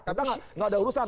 katakan nggak ada urusan